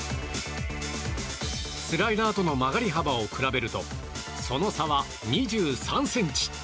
スライダーとの曲がり幅を比べるとその差は２３ｃｍ。